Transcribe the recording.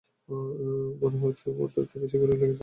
মনে হয় ছু মন্তরটা বেশি জোরেই লেগেছে।